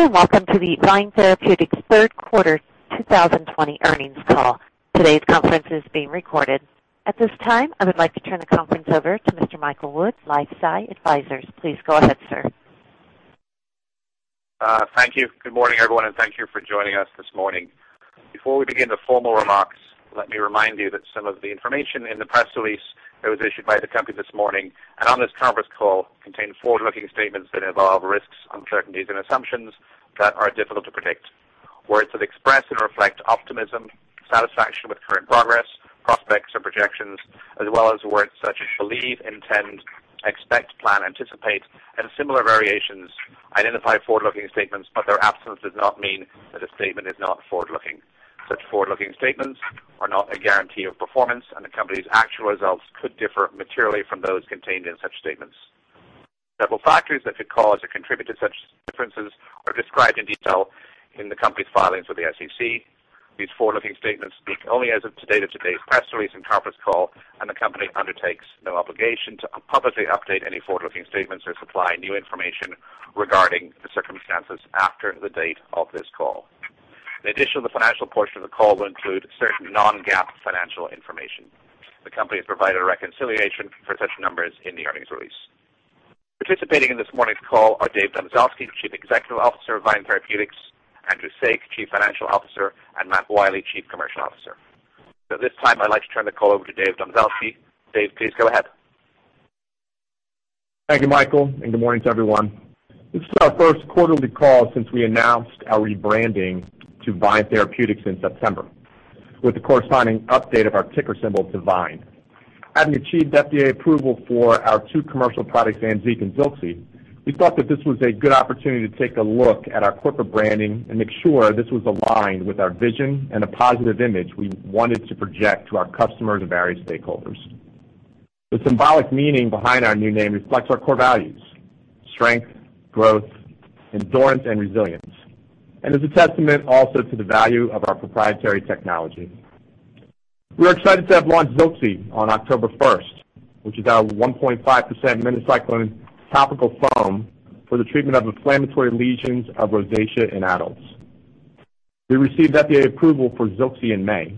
Good day. Welcome to the VYNE Therapeutics Third Quarter 2020 Earnings Call. Today's conference is being recorded. At this time, I would like to turn the conference over to Mr. Michael Wood, LifeSci Advisors. Please go ahead, sir. Thank you. Good morning, everyone, and thank you for joining us this morning. Before we begin the formal remarks, let me remind you that some of the information in the press release that was issued by the company this morning, and on this conference call, contains forward-looking statements that involve risks, uncertainties, and assumptions that are difficult to predict. Words that express and reflect optimism, satisfaction with current progress, prospects or projections, as well as words such as "believe," "intend," "expect," "plan," "anticipate," and similar variations identify forward-looking statements, but their absence does not mean that a statement is not forward-looking. Such forward-looking statements are not a guarantee of performance, and the company's actual results could differ materially from those contained in such statements. Several factors that could cause or contribute to such differences are described in detail in the company's filings with the SEC. These forward-looking statements speak only as of the date of today's press release and conference call. The company undertakes no obligation to publicly update any forward-looking statements or supply new information regarding the circumstances after the date of this call. In addition, the financial portion of the call will include certain non-GAAP financial information. The company has provided a reconciliation for such numbers in the earnings release. Participating in this morning's call are Dave Domzalski, Chief Executive Officer of VYNE Therapeutics, Andrew Saik, Chief Financial Officer, and Matt Wiley, Chief Commercial Officer. At this time, I'd like to turn the call over to Dave Domzalski. Dave, please go ahead. Thank you, Michael. Good morning to everyone. This is our first quarterly call since we announced our rebranding to VYNE Therapeutics in September, with the corresponding update of our ticker symbol to VYNE. Having achieved FDA approval for our two commercial products, AMZEEQ and ZILXI, we thought that this was a good opportunity to take a look at our corporate branding and make sure this was aligned with our vision and a positive image we wanted to project to our customers and various stakeholders. The symbolic meaning behind our new name reflects our core values: strength, growth, endurance, and resilience, and is a testament also to the value of our proprietary technology. We are excited to have launched ZILXI on October 1st, which is our 1.5% minocycline topical foam for the treatment of inflammatory lesions of rosacea in adults. We received FDA approval for ZILXI in May.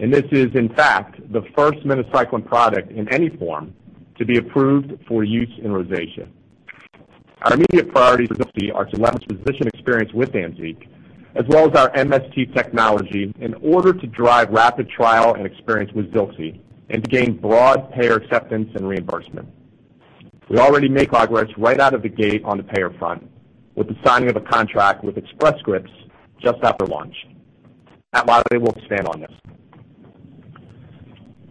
This is in fact the first minocycline product in any form to be approved for use in rosacea. Our immediate priorities for ZILXI are to leverage physician experience with AMZEEQ, as well as our MST technology in order to drive rapid trial and experience with ZILXI and to gain broad payer acceptance and reimbursement. We already made progress right out of the gate on the payer front with the signing of a contract with Express Scripts just after launch. Matt Wiley will expand on this.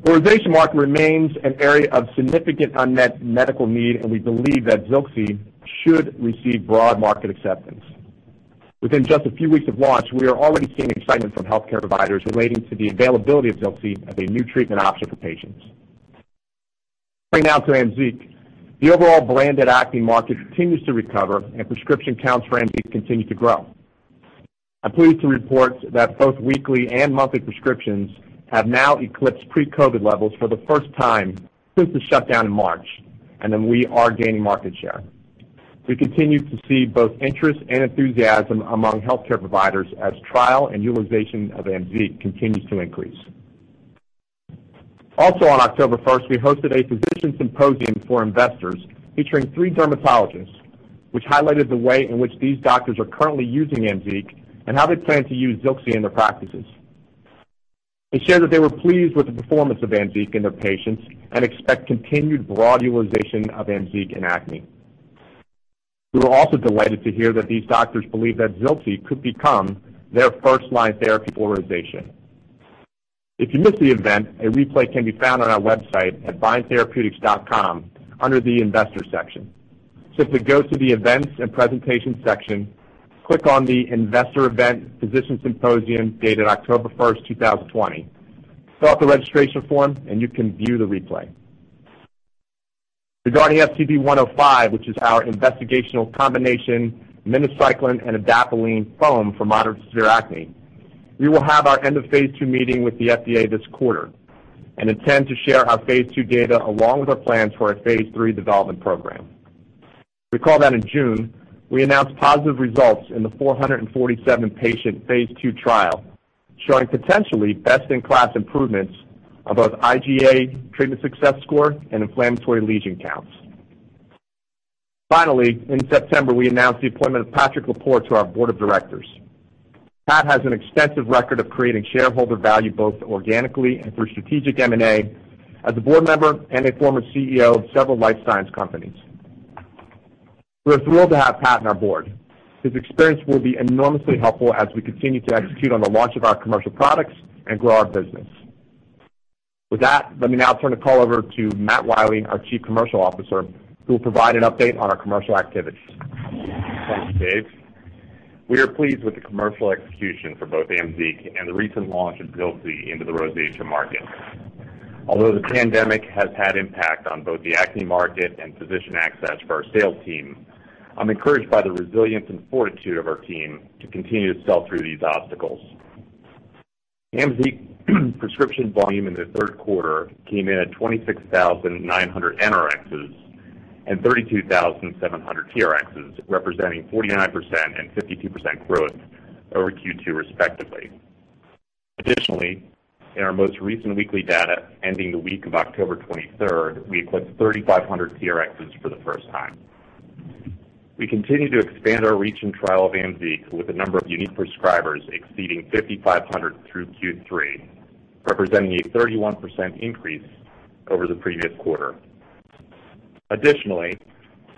The rosacea market remains an area of significant unmet medical need. We believe that ZILXI should receive broad market acceptance. Within just a few weeks of launch, we are already seeing excitement from healthcare providers relating to the availability of ZILXI as a new treatment option for patients. Turning now to AMZEEQ. The overall branded acne market continues to recover and prescription counts for AMZEEQ continue to grow. I'm pleased to report that both weekly and monthly prescriptions have now eclipsed pre-COVID levels for the first time since the shutdown in March, and that we are gaining market share. We continue to see both interest and enthusiasm among healthcare providers as trial and utilization of AMZEEQ continues to increase. On October 1st, we hosted a physician symposium for investors featuring three dermatologists, which highlighted the way in which these doctors are currently using AMZEEQ and how they plan to use ZILXI in their practices. They shared that they were pleased with the performance of AMZEEQ in their patients and expect continued broad utilization of AMZEEQ in acne. We were also delighted to hear that these doctors believe that ZILXI could become their first-line therapy for rosacea. If you missed the event, a replay can be found on our website at vynetherapeutics.com under the investor section. Simply go to the events and presentation section, click on the investor event physician symposium dated October 1st, 2020. Fill out the registration form and you can view the replay. Regarding FCD105, which is our investigational combination minocycline and adapalene foam for moderate to severe acne, we will have our end of phase II meeting with the FDA this quarter and intend to share our phase II data along with our plans for our phase III development program. Recall that in June, we announced positive results in the 447-patient phase II trial, showing potentially best-in-class improvements of both IGA treatment success score and inflammatory lesion counts. Finally, in September, we announced the appointment of Patrick LePore to our board of directors. Pat has an extensive record of creating shareholder value both organically and through strategic M&A as a board member and a former CEO of several life science companies. We're thrilled to have Pat on our board. His experience will be enormously helpful as we continue to execute on the launch of our commercial products and grow our business. With that, let me now turn the call over to Matt Wiley, our Chief Commercial Officer, who will provide an update on our commercial activities. Thank you, Dave. We are pleased with the commercial execution for both AMZEEQ and the recent launch of ZILXI into the rosacea market. Although the pandemic has had impact on both the acne market and physician access for our sales team, I'm encouraged by the resilience and fortitude of our team to continue to sell through these obstacles. AMZEEQ prescription volume in the third quarter came in at 26,900 NRx and 32,700 TRx, representing 49% and 52% growth over Q2 respectively. Additionally, in our most recent weekly data ending the week of October 23rd, we equipped 3,500 TRx for the first time. We continue to expand our reach and trial of AMZEEQ with the number of unique prescribers exceeding 5,500 through Q3, representing a 31% increase over the previous quarter. Additionally,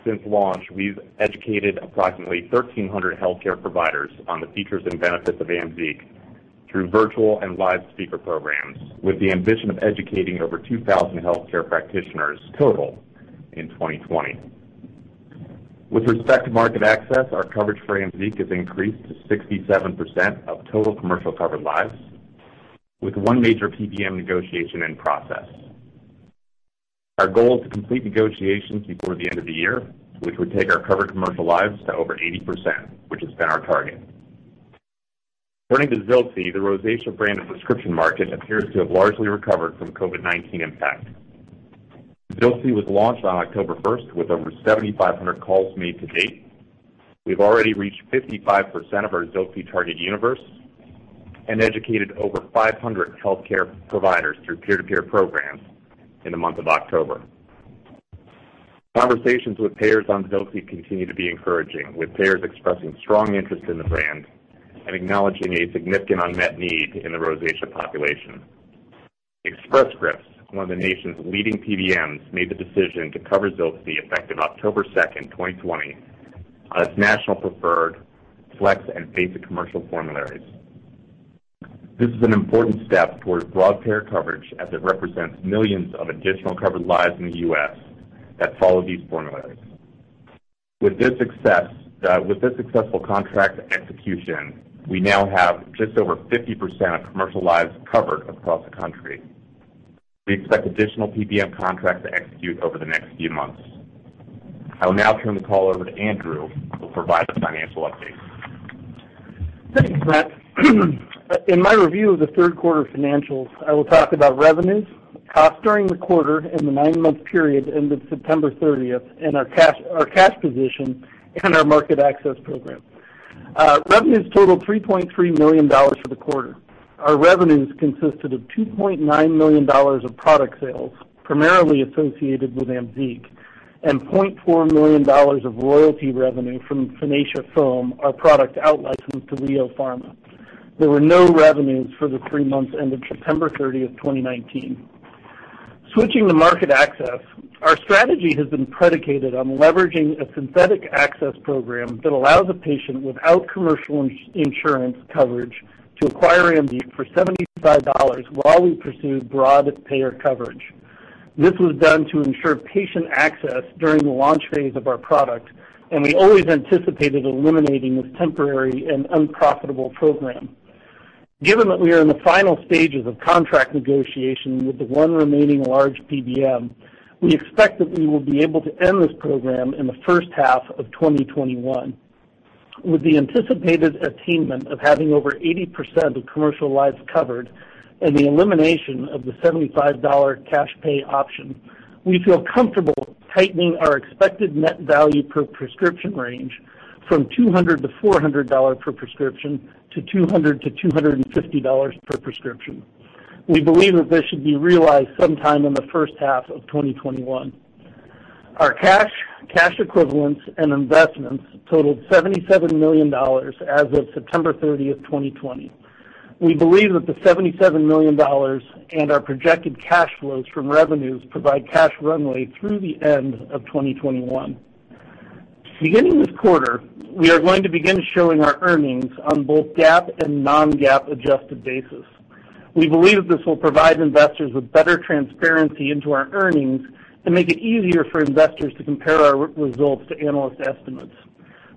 since launch, we've educated approximately 1,300 healthcare providers on the features and benefits of AMZEEQ through virtual and live speaker programs, with the ambition of educating over 2,000 healthcare practitioners total in 2020. With respect to market access, our coverage for AMZEEQ has increased to 67% of total commercial covered lives, with one major PBM negotiation in process. Our goal is to complete negotiations before the end of the year, which would take our covered commercial lives to over 80%, which has been our target. Turning to ZILXI, the rosacea brand and prescription market appears to have largely recovered from COVID-19 impact. ZILXI was launched on October 1st with over 7,500 calls made to date. We've already reached 55% of our ZILXI target universe and educated over 500 healthcare providers through peer-to-peer programs in the month of October. Conversations with payers on ZILXI continue to be encouraging, with payers expressing strong interest in the brand and acknowledging a significant unmet need in the rosacea population. Express Scripts, one of the nation's leading PBMs, made the decision to cover ZILXI effective October 2nd, 2020, as national preferred flex and basic commercial formularies. This is an important step towards broad payer coverage as it represents millions of additional covered lives in the U.S. that follow these formularies. With this successful contract execution, we now have just over 50% of commercial lives covered across the country. We expect additional PBM contracts to execute over the next few months. I will now turn the call over to Andrew, who will provide the financial update. Thanks, Matt. In my review of the third quarter financials, I will talk about revenues, costs during the quarter and the nine-month period end of September 30th and our cash position and our market access program. Revenues totaled $3.3 million for the quarter. Our revenues consisted of $2.9 million of product sales, primarily associated with AMZEEQ, and $0.4 million of royalty revenue from Finacea Foam, our product out licensed to LEO Pharma. There were no revenues for the three months ended September 30th, 2019. Switching to market access, our strategy has been predicated on leveraging a synthetic access program that allows a patient without commercial insurance coverage to acquire AMZEEQ for $75 while we pursue broad payer coverage. This was done to ensure patient access during the launch phase of our product. We always anticipated eliminating this temporary and unprofitable program. Given that we are in the final stages of contract negotiation with the one remaining large PBM, we expect that we will be able to end this program in the first half of 2021. With the anticipated attainment of having over 80% of commercial lives covered and the elimination of the $75 cash pay option, we feel comfortable tightening our expected net value per prescription range from $200-$400 per prescription to $200-$250 per prescription. We believe that this should be realized sometime in the first half of 2021. Our cash equivalents, and investments totaled $77 million as of September 30th, 2020. We believe that the $77 million and our projected cash flows from revenues provide cash runway through the end of 2021. Beginning this quarter, we are going to begin showing our earnings on both GAAP and non-GAAP adjusted basis. We believe this will provide investors with better transparency into our earnings and make it easier for investors to compare our results to analyst estimates.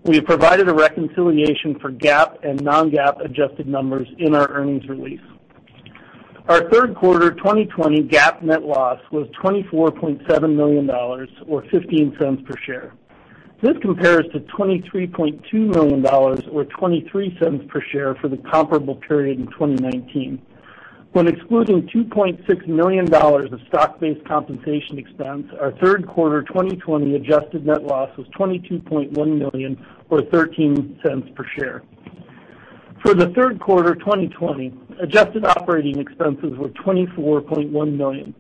We have provided a reconciliation for GAAP and non-GAAP adjusted numbers in our earnings release. Our third quarter 2020 GAAP net loss was $24.7 million or $0.15 per share. This compares to $23.2 million or $0.23 per share for the comparable period in 2019. When excluding $2.6 million of stock-based compensation expense, our third quarter 2020 adjusted net loss was $22.1 million or $0.13 per share. For the third quarter 2020, adjusted operating expenses were $24.1 million.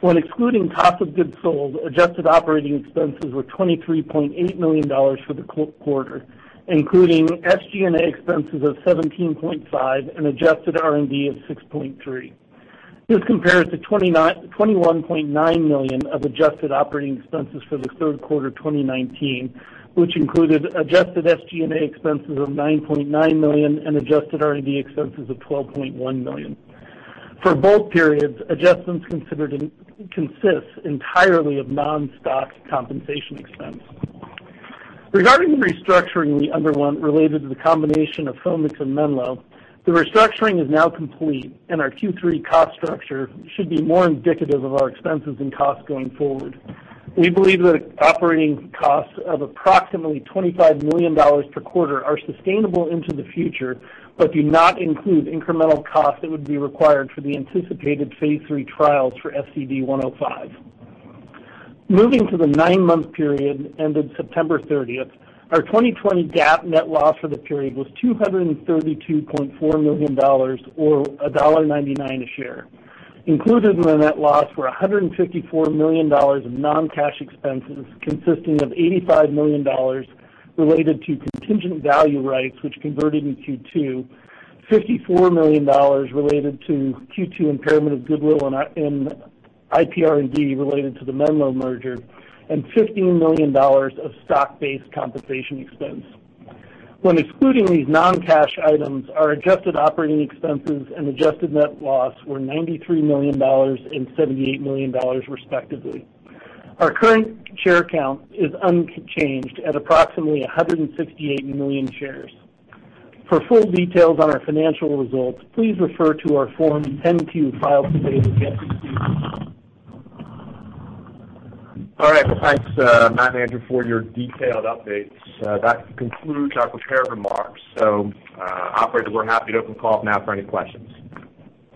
When excluding cost of goods sold, adjusted operating expenses were $23.8 million for the quarter, including SG&A expenses of $17.5 million and adjusted R&D of $6.3 million. This compares to $21.9 million of adjusted operating expenses for the third quarter 2019, which included adjusted SG&A expenses of $9.9 million and adjusted R&D expenses of $12.1 million. For both periods, adjustments consist entirely of non-stock compensation expense. Regarding the restructuring we underwent related to the combination of Foamix and Menlo, the restructuring is now complete and our Q3 cost structure should be more indicative of our expenses and costs going forward. We believe that operating costs of approximately $25 million per quarter are sustainable into the future but do not include incremental costs that would be required for the anticipated phase III trials for FCD105. Moving to the nine-month period ended September 30th, our 2020 GAAP net loss for the period was $232.4 million, or $1.99 a share. Included in the net loss were $154 million of non-cash expenses, consisting of $85 million related to contingent value rights, which converted in Q2, $54 million related to Q2 impairment of goodwill and IPR&D related to the Menlo merger, and $15 million of stock-based compensation expense. When excluding these non-cash items, our adjusted operating expenses and adjusted net loss were $93 million and $78 million respectively. Our current share count is unchanged at approximately 168 million shares. For full details on our financial results, please refer to our Form 10-Q filed today with the SEC. All right. Well, thanks, Matt and Andrew, for your detailed updates. That concludes our prepared remarks. Operator, we're happy to open the call up now for any questions.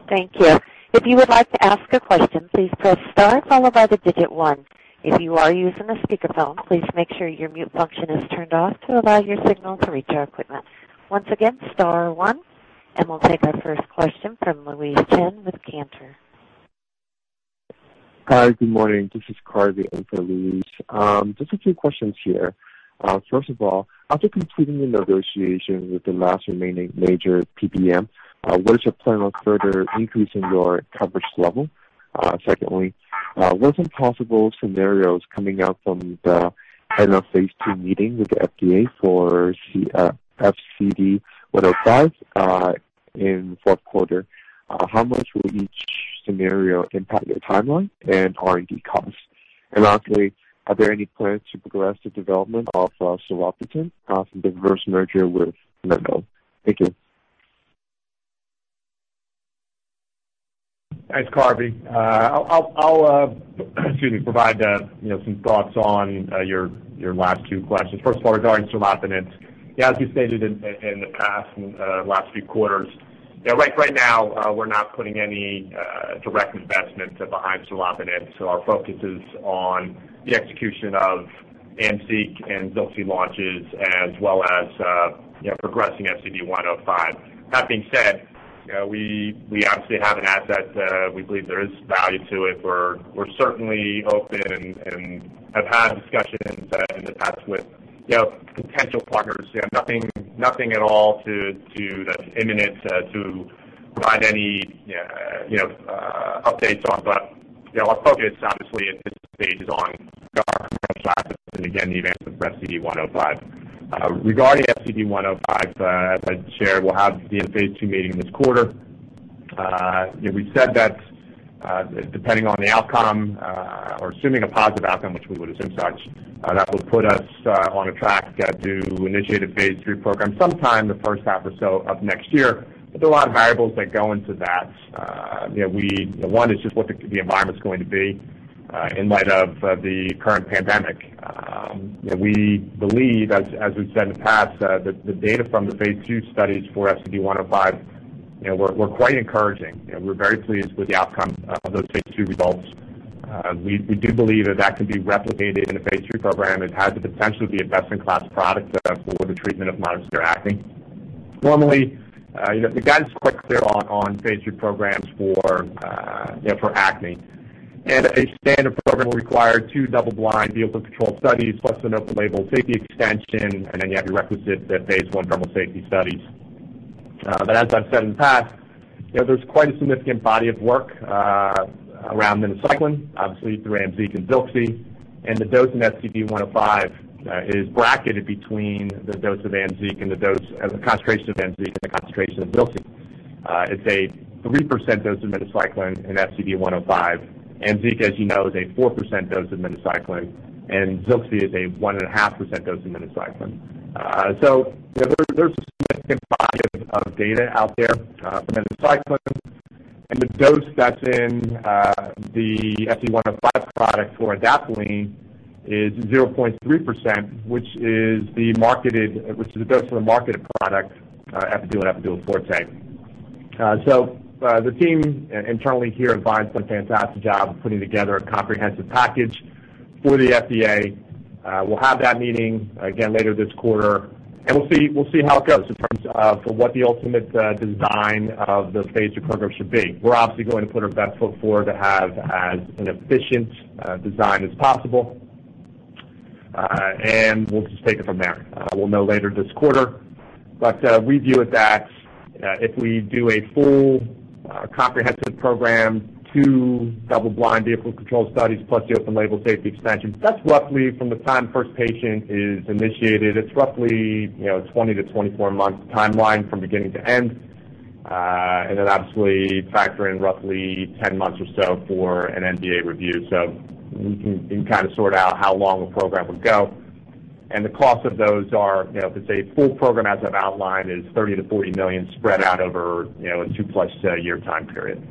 Thank you. If you would like to ask a question, please press star followed by the digit one. If you are using a speakerphone, please make sure your mute function is turned off to allow your signal to reach our equipment. Once again, star one, and we'll take our first question from Louise Chen with Cantor. Hi, good morning. This is Carvey in for Louise. Just a few questions here. First of all, after completing the negotiation with the last remaining major PBM, what is your plan on further increasing your coverage level? Secondly, what are the possible scenarios coming out from the end of phase II meeting with the FDA for FCD105 in the fourth quarter? How much will each scenario impact your timeline and R&D costs? Lastly, are there any plans to progress the development of serlopitant after the reverse merger with Menlo? Thank you. Thanks, Carvey. I'll provide some thoughts on your last two questions. First of all, regarding serlopitant. As we stated in the past, last few quarters, right now, we're not putting any direct investment behind serlopitant. Our focus is on the execution of AMZEEQ and ZILXI launches as well as progressing FCD105. That being said, we obviously have an asset. We believe there is value to it. We're certainly open and have had discussions in the past with potential partners. Nothing at all that's imminent to provide any updates on. Our focus, obviously, at this stage is on our commercial assets and, again, the advancement of FCD105. Regarding FCD105, as I shared, we'll have the phase II meeting this quarter. We said that depending on the outcome or assuming a positive outcome, which we would assume such, that would put us on a track to initiate a phase III program sometime the first half or so of next year. There are a lot of variables that go into that. One is just what the environment's going to be in light of the current pandemic. We believe, as we've said in the past, that the data from the phase II studies for FCD105 were quite encouraging. We're very pleased with the outcome of those phase II results. We do believe that that could be replicated in a phase III program. It has the potential to be a best-in-class product for the treatment of moderate to severe acne. Normally, the guidance is quite clear on phase III programs for acne. A standard program will require two double-blind vehicle control studies, plus an open label safety extension, then you have your requisite phase I dermal safety studies. As I've said in the past, there's quite a significant body of work around minocycline, obviously through AMZEEQ and ZILXI, and the dose in FCD105 is bracketed between the dose of AMZEEQ and the dose of the concentration of AMZEEQ and the concentration of ZILXI. It's a 3% dose of minocycline in FCD105. AMZEEQ, as you know, is a 4% dose of minocycline, and ZILXI is a 1.5% dose of minocycline. There's a significant body of data out there for minocycline, and the dose that's in the FCD105 product for adapalene is 0.3%, which is the dose for the marketed product, Epiduo and Epiduo Forte. The team internally here has done a fantastic job of putting together a comprehensive package for the FDA. We'll have that meeting again later this quarter, and we'll see how it goes in terms for what the ultimate design of the phase II program should be. We're obviously going to put our best foot forward to have as an efficient design as possible. We'll just take it from there. We'll know later this quarter. We view it that if we do a full comprehensive program, two double-blind vehicle control studies plus the open label safety extension, that's roughly from the time first patient is initiated, it's roughly 20-24 months timeline from beginning to end. Then obviously factor in roughly 10 months or so for an NDA review. We can kind of sort out how long a program would go. The cost of those are, to say full program as I've outlined, is $30 million-$40 million spread out over a two-plus year time period.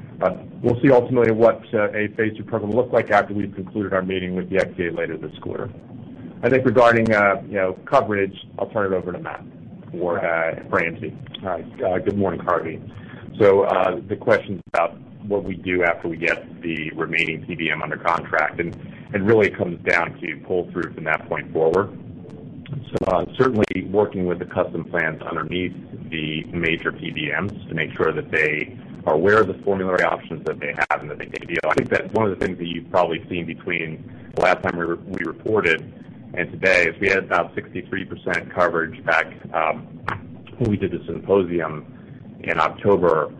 We'll see ultimately what a phase II program looks like after we've concluded our meeting with the FDA later this quarter. I think regarding coverage, I'll turn it over to Matt for AMZEEQ. All right. Good morning, Carvey. The question's about what we do after we get the remaining PBM under contract, and really it comes down to pull through from that point forward. Certainly working with the custom plans underneath the major PBMs to make sure that they are aware of the formulary options that they have and that they can be applied. I think that one of the things that you've probably seen between the last time we reported and today is we had about 63% coverage back when we did the symposium in October.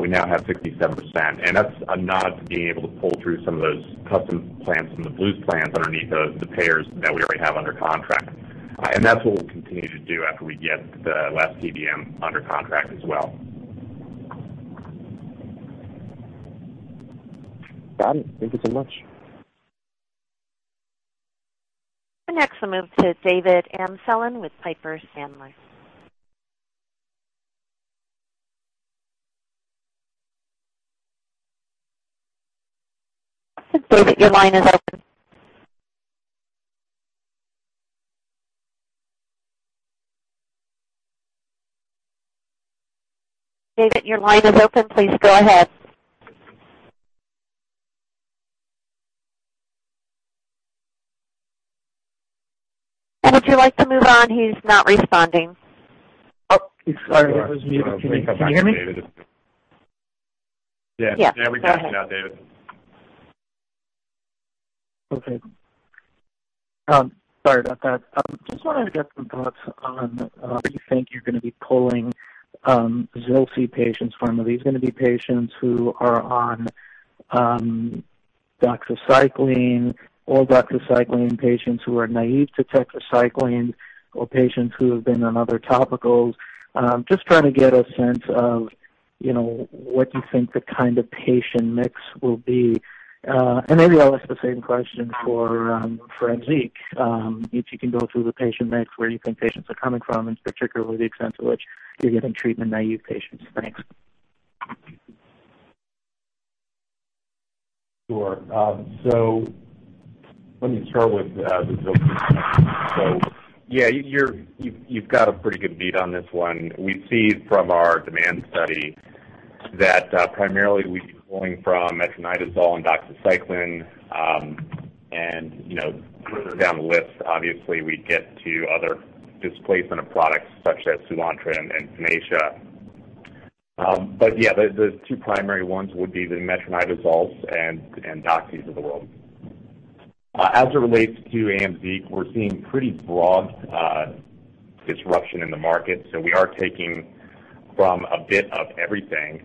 We now have 67%, and that's a nod to being able to pull through some of those custom plans from the Blues plans underneath the payers that we already have under contract. That's what we'll continue to do after we get the last PBM under contract as well. Got it. Thank you so much. Next, I'll move to David Amsellem with Piper Sandler. David, your line is open. David, your line is open. Please go ahead. Would you like to move on? He's not responding. Oh, sorry. I was muted. Can you hear me? Yes. Yes. Yeah, we got you now, David. Okay. Sorry about that. Just wanted to get some thoughts on where you think you're going to be pulling ZILXI patients from. Are these going to be patients who are on doxycycline or doxycycline patients who are naive to doxycycline, or patients who have been on other topicals? Just trying to get a sense of what you think the kind of patient mix will be. Maybe I'll ask the same question for AMZEEQ. If you can go through the patient mix where you think patients are coming from, and particularly the extent to which you're getting treatment-naive patients. Thanks. Sure. Let me start with the [ZILXI]. Yeah, you've got a pretty good beat on this one. We see from our demand study that primarily we'd be pulling from metronidazole and doxycycline and further down the list, obviously, we'd get to other displacement of products such as Soolantra and Finacea. Yeah, the two primary ones would be the metronidazole and doxies of the world. As it relates to AMZEEQ, we're seeing pretty broad disruption in the market, so we are taking from a bit of everything.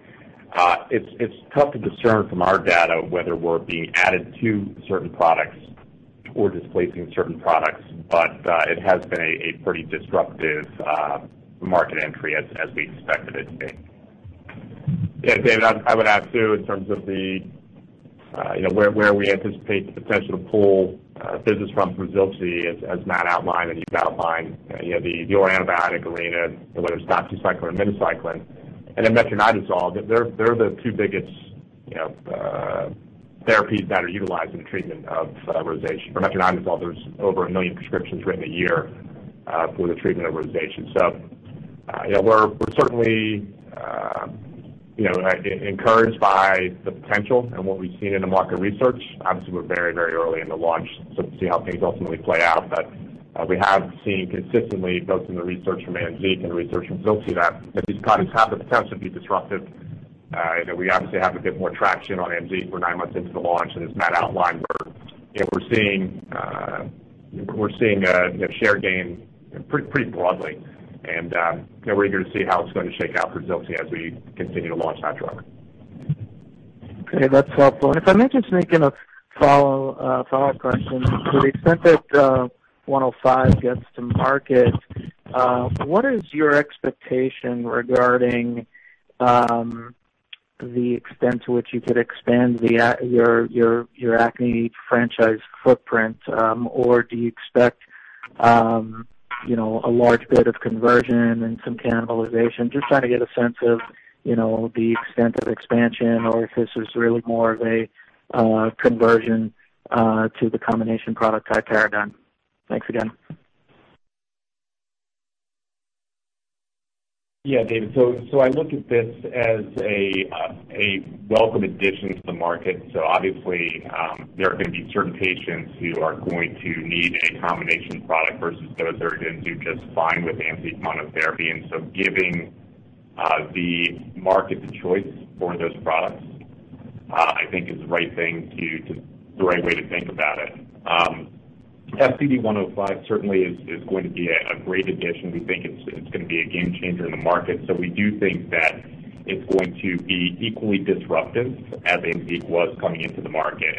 It's tough to discern from our data whether we're being added to certain products or displacing certain products. It has been a pretty disruptive market entry as we expected it to be. Yeah, David, I would add, too, in terms of where we anticipate the potential to pull business from for ZILXI, as Matt outlined, and you've outlined the oral antibiotic arena, and whether it's doxycycline or minocycline and then metronidazole, they're the two biggest therapies that are utilized in the treatment of rosacea. For metronidazole, there's over a million prescriptions written a year for the treatment of rosacea. We're certainly encouraged by the potential and what we've seen in the market research. Obviously, we're very early in the launch, so to see how things ultimately play out. We have seen consistently, both in the research from AMZEEQ and the research from ZILXI, that these products have the potential to be disruptive. We obviously have a bit more traction on AMZEEQ. We're nine months into the launch and as Matt outlined, we're seeing a share gain pretty broadly and we're eager to see how it's going to shake out for ZILXI as we continue to launch that drug. Okay, that's helpful. If I might just make a follow-up question. To the extent that 105 gets to market, what is your expectation regarding the extent to which you could expand your acne franchise footprint? Do you expect a large bit of conversion and some cannibalization? Just trying to get a sense of the extent of expansion or if this is really more of a conversion to the combination product, a paradigm. Thanks again. Yeah, David. I look at this as a welcome addition to the market. Obviously, there are going to be certain patients who are going to need a combination product versus those that are going to do just fine with AMZEEQ monotherapy. Giving the market the choice for those products, I think is the right way to think about it. FCD105 certainly is going to be a great addition. We think it's going to be a game changer in the market. We do think that it's going to be equally disruptive as AMZEEQ was coming into the market.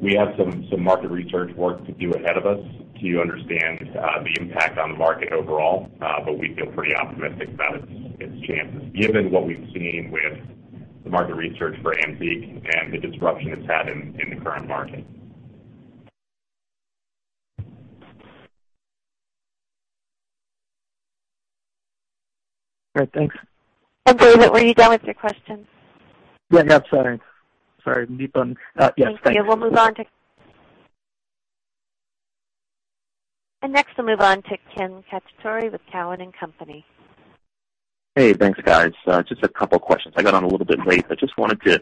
We have some market research work to do ahead of us to understand the impact on the market overall. We feel pretty optimistic about its chances given what we've seen with the market research for AMZEEQ and the disruption it's had in the current market. Great. Thanks. David, were you done with your questions? Sorry, mute button. Yes, thanks. Thank you. Next, we'll move on to Ken Cacciatore with Cowen and Company. Hey, thanks, guys. Just a couple of questions. I got on a little bit late, but just wanted to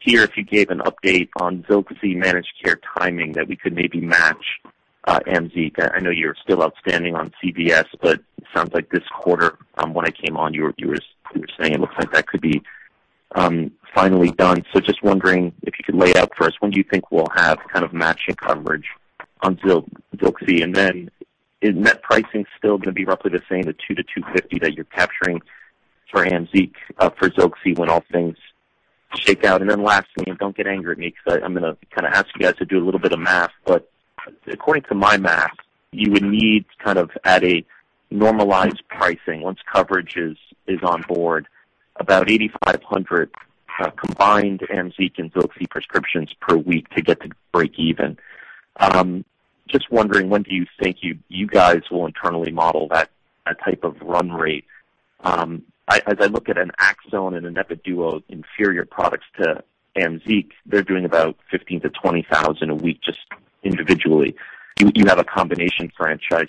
hear if you gave an update on ZILXI managed care timing that we could maybe match AMZEEQ. I know you're still outstanding on CVS, but it sounds like this quarter, when I came on, you were saying it looks like that could be finally done. Just wondering if you could lay out for us, when do you think we'll have kind of matching coverage on ZILXI? Is net pricing still going to be roughly the same, the $200-$250 that you're capturing for ZILXI when all things shake out? Lastly, don't get angry at me because I'm going to ask you guys to do a little bit of math, but according to my math, you would need to add a normalized pricing once coverage is on board, about 8,500 combined AMZEEQ and ZILXI prescriptions per week to get to break even. Just wondering, when do you think you guys will internally model that type of run rate? As I look at an Aczone and an Epiduo, inferior products to AMZEEQ, they're doing about 15,000-20,000 a week just individually. You have a combination franchise.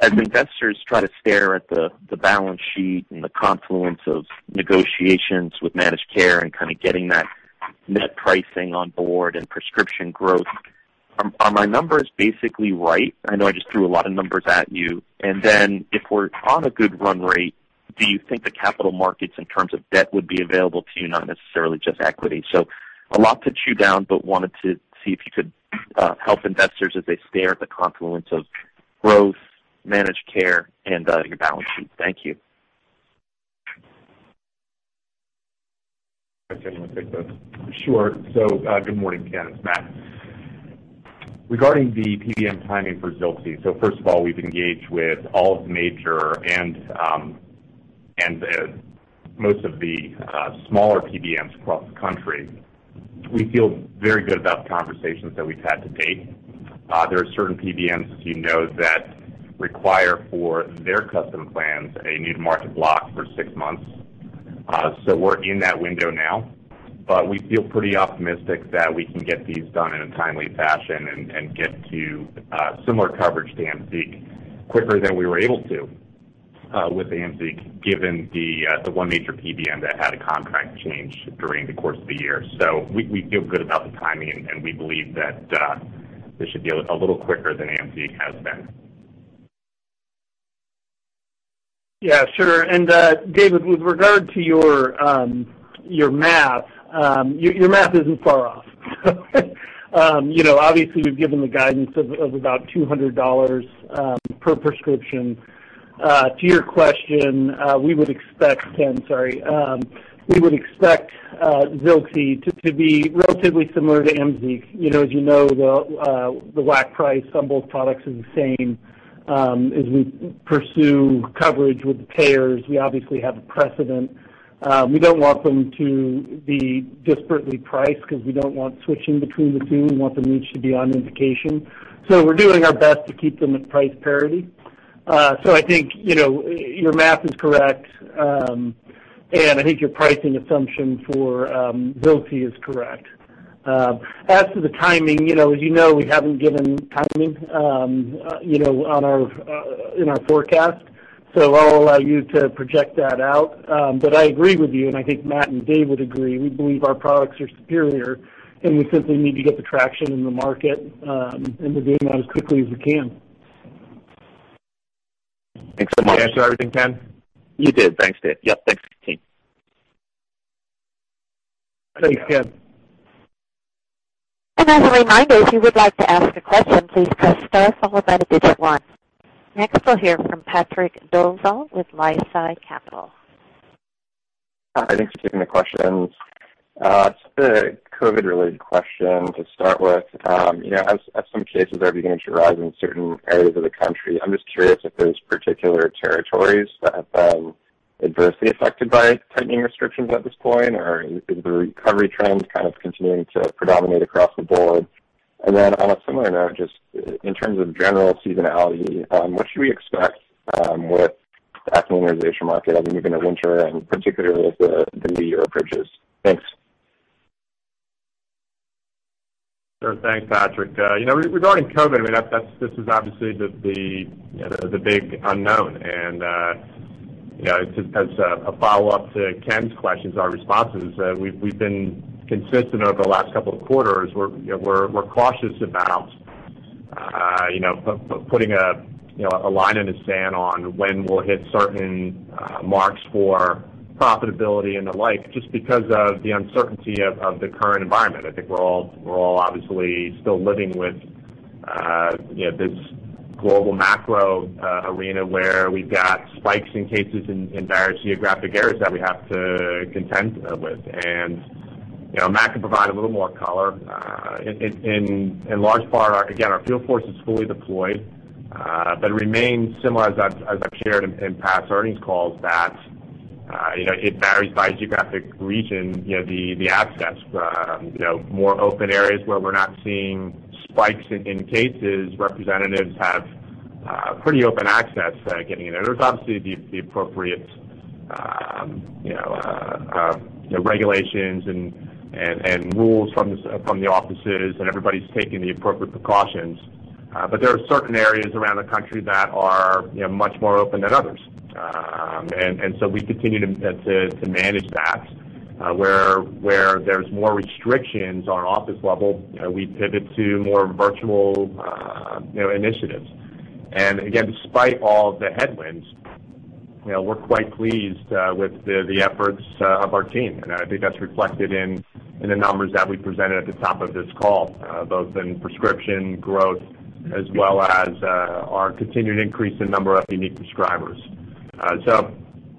As investors try to stare at the balance sheet and the confluence of negotiations with managed care and getting that net pricing on board and prescription growth, are my numbers basically right? I know I just threw a lot of numbers at you. If we're on a good run rate, do you think the capital markets in terms of debt would be available to you, not necessarily just equity? A lot to chew down but wanted to see if you could help investors as they stare at the confluence of growth, managed care, and your balance sheet. Thank you. I can take this. Sure. Good morning, Ken, it's Matt. Regarding the PBM timing for ZILXI, first of all, we've engaged with all of the major and most of the smaller PBMs across the country. We feel very good about the conversations that we've had to date. There are certain PBMs, as you know, that require for their custom plans a new to market block for six months. We're in that window now, but we feel pretty optimistic that we can get these done in a timely fashion and get to similar coverage to AMZEEQ quicker than we were able to with AMZEEQ, given the one major PBM that had a contract change during the course of the year. We feel good about the timing, and we believe that this should be a little quicker than AMZEEQ has been. Yeah, sure. David, with regard to your math, your math isn't far off. Obviously, we've given the guidance of about $200 per prescription. To your question, we would expect, Ken, sorry. We would expect ZILXI to be relatively similar to AMZEEQ. As you know, the WAC price on both products is the same. As we pursue coverage with the payers, we obviously have a precedent. We don't want them to be disparately priced because we don't want switching between the two. We want them each to be on indication. We're doing our best to keep them at price parity. I think your math is correct, and I think your pricing assumption for ZILXI is correct. As to the timing, as you know, we haven't given timing in our forecast. I'll allow you to project that out. I agree with you. I think Matt and Dave would agree. We believe our products are superior. We simply need to get the traction in the market. We are doing that as quickly as we can. Thanks so much. Did I answer everything, Ken? You did. Thanks, Dave. Yep, thanks, team. Thanks, Ken. Next, we'll hear from Patrick Dolezal with LifeSci Capital. Hi, thanks for taking the questions. Just a COVID-related question to start with. As some cases are beginning to rise in certain areas of the country, I'm just curious if there's particular territories that have been adversely affected by tightening restrictions at this point, or is the recovery trend kind of continuing to predominate across the board? On a similar note, just in terms of general seasonality, what should we expect with the acne innovation market as we move into winter and particularly with the new year approaches? Thanks. Sure. Thanks, Patrick. Regarding COVID, this is obviously the big unknown. As a follow-up to Ken's questions or responses, we've been consistent over the last couple of quarters. We're cautious about putting a line in the sand on when we'll hit certain marks for profitability and the like, just because of the uncertainty of the current environment. I think we're all obviously still living with this global macro arena where we've got spikes in cases in various geographic areas that we have to contend with. Matt can provide a little more color. In large part, again, our field force is fully deployed, but it remains similar as I've shared in past earnings calls that it varies by geographic region, the access. More open areas where we're not seeing spikes in cases, representatives have pretty open access getting in there. There's obviously the appropriate regulations and rules from the offices and everybody's taking the appropriate precautions. There are certain areas around the country that are much more open than others. We continue to manage that. Where there's more restrictions on an office level, we pivot to more virtual initiatives. Again, despite all the headwinds, we're quite pleased with the efforts of our team. I think that's reflected in the numbers that we presented at the top of this call both in prescription growth as well as our continued increase in number of unique prescribers.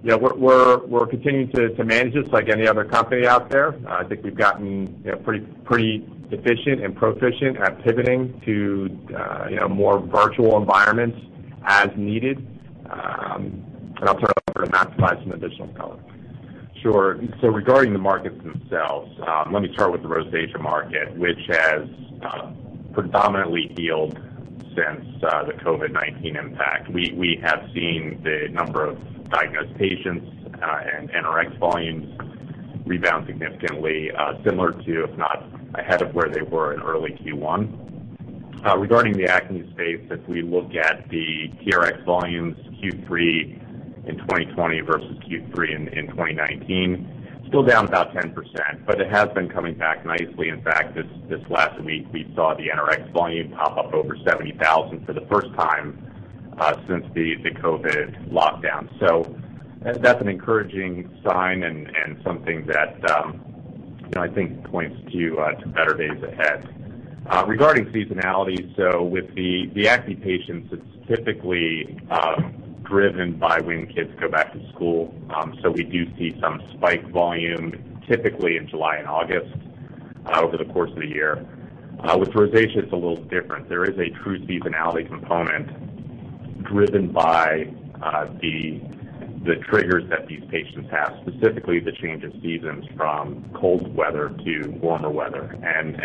We're continuing to manage this like any other company out there. I think we've gotten pretty efficient and proficient at pivoting to more virtual environments as needed. I'll turn it over to Matt to provide some additional color. Regarding the markets themselves, let me start with the rosacea market, which has predominantly healed since the COVID-19 impact. We have seen the number of diagnosed patients and NRx volumes rebound significantly similar to, if not ahead of where they were in early Q1. Regarding the acne space, if we look at the TRx volumes Q3 in 2020 versus Q3 in 2019, still down about 10%, but it has been coming back nicely. In fact, this last week we saw the NRx volume pop up over 70,000 for the first time since the COVID lockdown. That's an encouraging sign and something that I think points to better days ahead. Regarding seasonality, so with the acne patients, it's typically driven by when kids go back to school. We do see some spike volume typically in July and August over the course of the year. With rosacea, it's a little different. There is a true seasonality component driven by the triggers that these patients have, specifically the change in seasons from cold weather to warmer weather.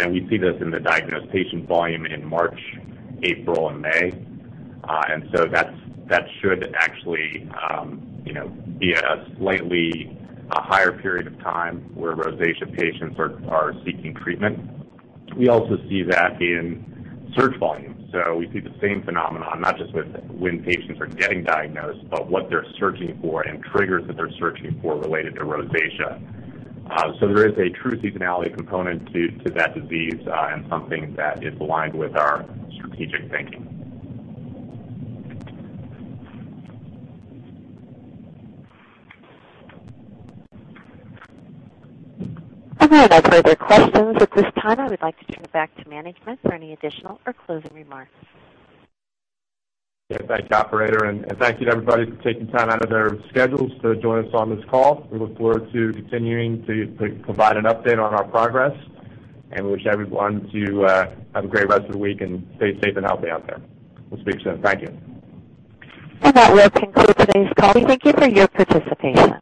We see this in the diagnosed patient volume in March, April, and May. That should actually be a slightly higher period of time where rosacea patients are seeking treatment. We also see that in search volume. We see the same phenomenon, not just with when patients are getting diagnosed, but what they're searching for and triggers that they're searching for related to rosacea. There is a true seasonality component to that disease and something that is aligned with our strategic thinking. All right. There are no further questions at this time. I would like to turn it back to management for any additional or closing remarks. Yeah. Thanks, operator, and thank you to everybody for taking time out of their schedules to join us on this call. We look forward to continuing to provide an update on our progress, and we wish everyone to have a great rest of the week and stay safe and healthy out there. We'll speak soon. Thank you. That will conclude today's call. Thank you for your participation.